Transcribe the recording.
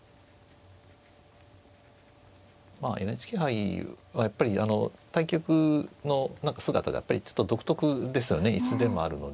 まあＮＨＫ杯はやっぱり対局の何か姿がやっぱりちょっと独特ですよね椅子でもあるので。